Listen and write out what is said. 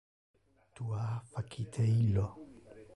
Tu ha facite illo.